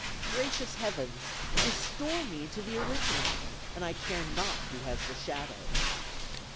Gracious Heavens! restore to me the original, and I care not who has the shadow."